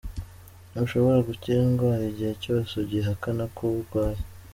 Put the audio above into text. Ntushobora gukira indwara igihe cyose ugihakana ko urwaye.